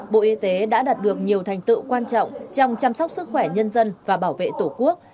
bộ y tế đã đạt được nhiều thành tựu quan trọng trong chăm sóc sức khỏe nhân dân và bảo vệ tổ quốc